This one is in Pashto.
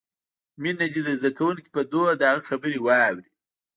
مينه دې د زدکونکې په دود د هغه خبرې واوري.